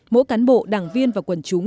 mỗi cán bộ đảng viên và quần chúng